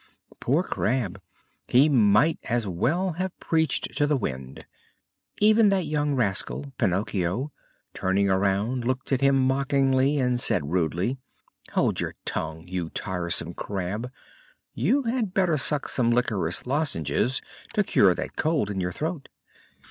Poor crab! He might as well have preached to the wind. Even that young rascal, Pinocchio, turning around, looked at him mockingly and said rudely: "Hold your tongue, you tiresome crab! You had better suck some liquorice lozenges to cure that cold in your throat."